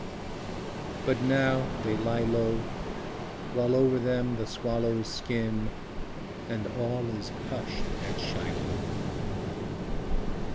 But now they lie low, While over them the swallows skim, And all is hushed at Shiloh.